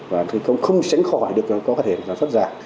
và không sẵn khỏi được có thể là sản xuất giả